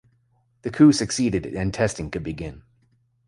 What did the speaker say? The coup succeeded and testing could begin.